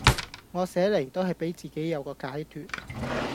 我寫嚟都係俾自己有個解脫